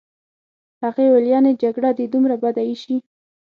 هغې وویل: یعني جګړه دي دومره بده ایسي.